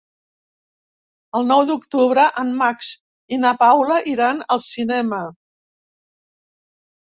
El nou d'octubre en Max i na Paula iran al cinema.